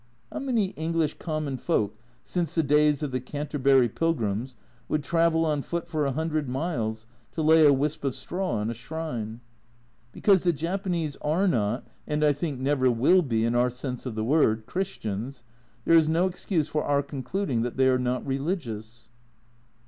How many English common folk since the days of the Canterbury Pilgrims would travel on foot for a hundred miles to lay a wisp of straw on a shrine? Because the Japanese are not (and I think never will be in our sense of the word) Christians there is no excuse for our concluding that they are not religious.